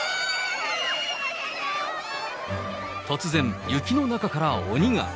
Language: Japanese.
突然、雪の中から鬼が。